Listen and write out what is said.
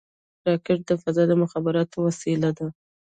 راکټ د فضا د مخابراتو وسیله ده